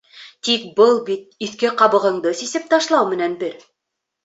Тик был бит иҫке ҡабығыңды сисеп ташлау менән бер.